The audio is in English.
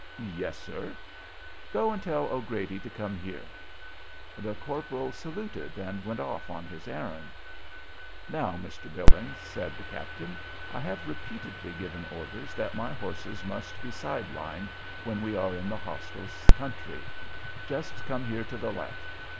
"Yes, sir." "Go and tell O'Grady to come here." The corporal saluted and went off on his errand. "Now, Mr. Billings," said the captain, "I have repeatedly given orders that my horses must be side lined when we are in the hostiles' country. Just come here to the left."